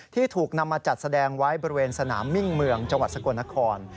ที่ถูกนำมาจัดแสดงไว้บริเวณสนามมิ่งเมืองจังหวัดสกลนคร